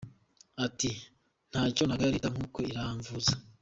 Ati “Ntacyo nagaya Leta kuko iramvuza.